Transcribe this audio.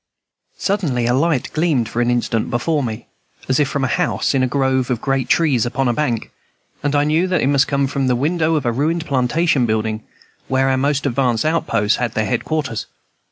Suddenly a light gleamed for an instant before me, as if from a house in a grove of great trees upon a bank; and I knew that it came from the window of a ruined plantation building, where our most advanced outposts had their headquarters.